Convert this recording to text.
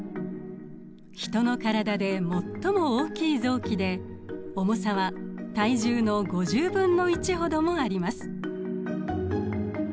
ヒトの体で最も大きい臓器で重さは体重の５０分の１ほどもあります。